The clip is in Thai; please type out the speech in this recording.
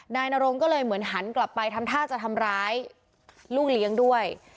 นายนรงก็เลยเหมือนหันกลับไปทำท่าจะทำร้ายลูกเลี้ยงด้วย